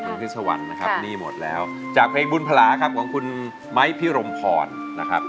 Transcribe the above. คุณพิษสวรรค์นะครับนี่หมดแล้วจากเพลงบุญพลาครับของคุณไม้พิรมพรนะครับ